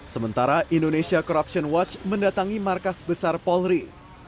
sementara indonesia corruption watch mendatangi markas besar polri